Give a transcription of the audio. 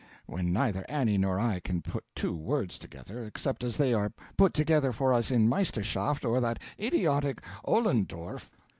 when neither Annie nor I can put two words together, except as they are put together for us in Meisterschaft or that idiotic Ollendorff!